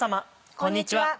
こんにちは。